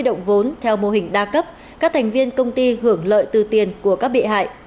động vốn theo mô hình đa cấp các thành viên công ty hưởng lợi từ tiền của các bị hại